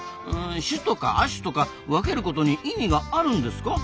種とか亜種とか分けることに意味があるんですか？